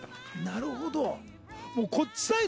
なるほど。